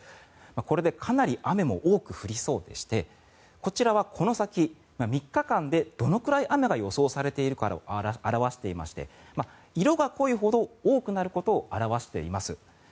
これでかなり雨も多く降りそうでしてこちらはこの先３日間でどのくらい雨が予想されているかを表していまして色が濃いほど多くなることを表しています。